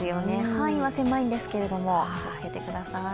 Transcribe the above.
範囲は狭いんですけれども、気を付けてください。